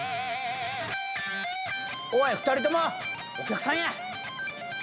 おい２人ともお客さんや。